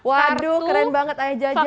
waduh keren banget ayah jajan